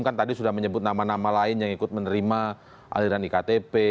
kan tadi sudah menyebut nama nama lain yang ikut menerima aliran iktp